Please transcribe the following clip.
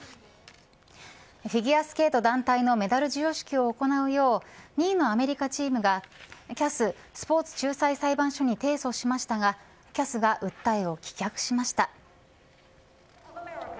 フィギュアスケート団体のメダル授与式を行うよう２位のアメリカチームがＣＡＳスポーツ仲裁裁判所に提訴しましたがＣＡＳが訴えを棄却しました。